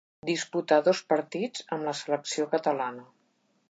Disputà dos partits amb la selecció catalana.